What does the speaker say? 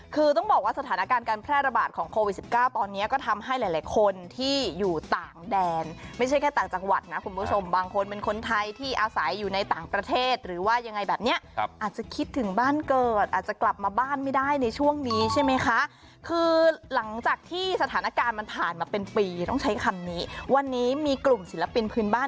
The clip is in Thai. คือต้องบอกว่าสถานการณ์การแพร่ระบาดของโควิด๑๙ตอนนี้ก็ทำให้หลายคนที่อยู่ต่างแดนไม่ใช่แค่ต่างจังหวัดนะคุณผู้ชมบางคนเป็นคนไทยที่อาศัยอยู่ในต่างประเทศหรือว่ายังไงแบบเนี้ยอาจจะคิดถึงบ้านเกิดอาจจะกลับมาบ้านไม่ได้ในช่วงนี้ใช่ไหมคะคือหลังจากที่สถานการณ์มันผ่านมาเป็นปีต้องใช้คำนี้วันนี้มีกลุ่มศิลปินพื้นบ้าน